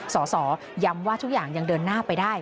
สสย้ำว่าทุกอย่างยังเดินหน้าไปได้